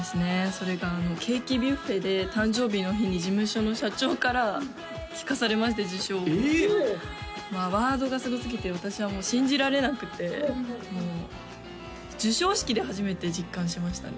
それがあのケーキビュッフェで誕生日の日に事務所の社長から聞かされまして受賞をまあワードがすごすぎて私はもう信じられなくてもう授賞式で初めて実感しましたね